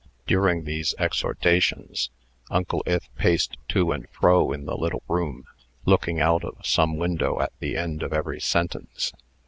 During these exhortations, Uncle Ith paced to and fro in the little room, looking out of some window at the end of every sentence.